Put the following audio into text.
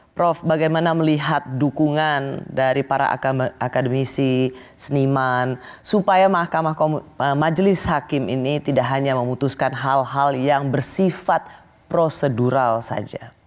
prof bagaimana melihat dukungan dari para akademisi seniman supaya majelis hakim ini tidak hanya memutuskan hal hal yang bersifat prosedural saja